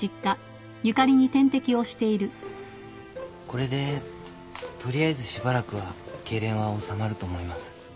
これでとりあえずしばらくは痙攣は治まると思います。